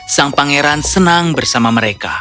sang pangeran senang bersama mereka